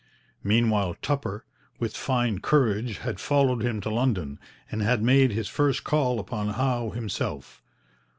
Meanwhile Tupper, with fine courage, had followed him to London, and had made his first call upon Howe himself.